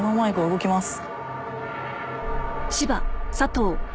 動きます。